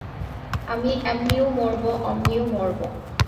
আমি এমনিও মরবো, ওমনিও মরবো।